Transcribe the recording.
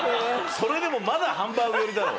それでもまだハンバーグ寄りだろ。